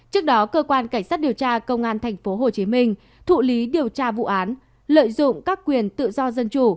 trước đó cơ quan cảnh sát điều tra công an tp hcm thụ lý điều tra vụ án lợi dụng các quyền tự do dân chủ